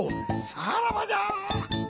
さらばじゃ！